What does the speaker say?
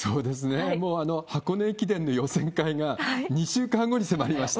もう箱根駅伝の予選会が２週間後に迫りました。